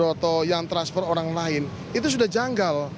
rian subroto yang transfer orang lain itu sudah janggal